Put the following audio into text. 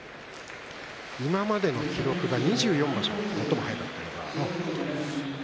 今までの記録で２４場所が最も早かったんですが。